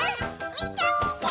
みてみて！